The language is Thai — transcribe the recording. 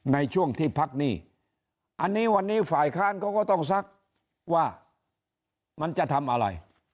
ในช่วงที่พักหนี้อันนี้วันนี้ฝ่ายค้านเขาก็ต้องซักว่ามันจะทำอะไร